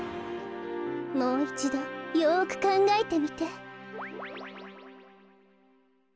もういちどよくかんがえてみて。